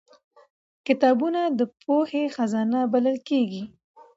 کتابونه د پوهې خزانه بلل کېږي